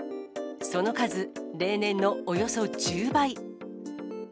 その数、例年のおよそ１０倍。